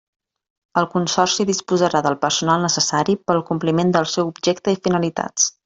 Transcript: El consorci disposarà del personal necessari per al compliment del seu objecte i finalitats.